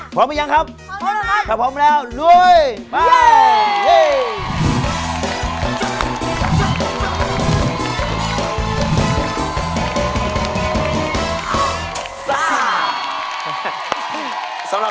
พร้อมแล้วครับ